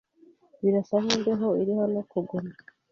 Birasa nkimbeho iri hano kuguma.